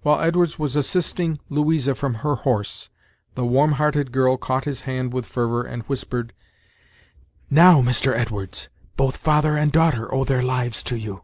While Edwards was assisting Louisa from her horse, the warm hearted girl caught his hand with fervor and whispered: "Now, Mr. Edwards, both father and daughter owe their lives to you."